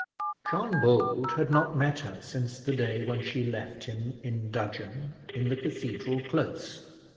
John Bold had not met her since the day when she left him in dudgeon in the cathedral close.